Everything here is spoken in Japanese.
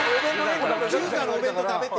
中華のお弁当食べて。